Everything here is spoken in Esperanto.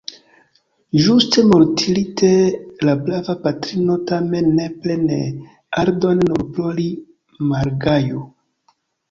Ĝuste mortlite la brava patrino tamen nepre ne aldone nur pro li malgaju.